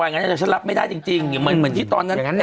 อย่างนั้นแต่ฉันรับไม่ได้จริงจริงเหมือนเหมือนที่ตอนนั้นอย่างนั้น